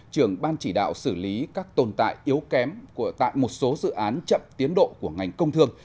trưởng ban chỉ đạo xử lý các tồn tại yếu kém tại một số dự án chậm tiến độ của ngành công thương